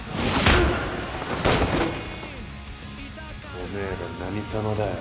おめえら何様だよ。